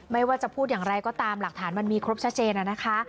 ไม่ว่าจะพูดอย่างไรก็ตามหลักฐานมันมีครบชัดเจนนะคะ